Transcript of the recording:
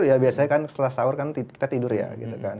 ya biasanya kan setelah sahur kan kita tidur ya gitu kan